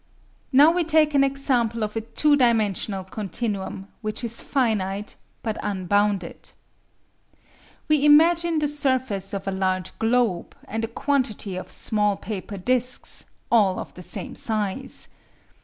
Now we take an example of a two dimensional continuum which is finite, but unbounded. We imagine the surface of a large globe and a quantity of small paper discs, all of the same size.